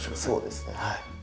そうですねはい。